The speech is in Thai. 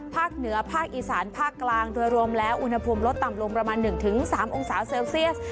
ภาคเหนือภาคอีสานภาคกลางโดยรวมแล้วอุณหภูมิลดต่ำลงประมาณ๑๓องศาเซลเซียส